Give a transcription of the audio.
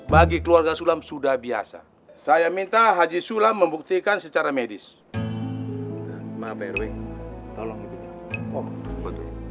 bagi keluarga sulam sudah biasa saya minta haji sulam membuktikan secara medis tolong